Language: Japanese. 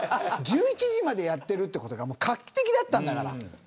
１１時までやっているということが画期的だったんだから。